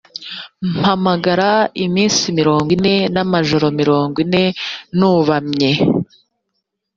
mpamara iminsi mirongo ine n’amajoro mirongo ine nubamye.